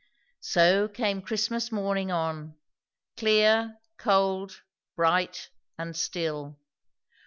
So came Christmas morning on; clear, cold, bright and still.